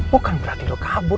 bukan berarti lo kabur